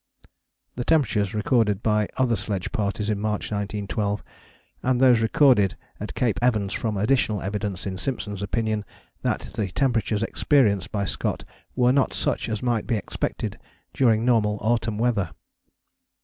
The temperatures recorded by other sledge parties in March 1912 and those recorded at Cape Evans form additional evidence, in Simpson's opinion, that the temperatures experienced by Scott were not such as might be expected during normal autumn weather.